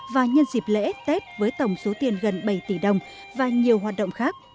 và nhân dịp lễ tết với tổng số tiền gần bảy tỷ đồng và nhiều hoạt động khác